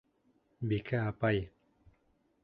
Бикә апай!..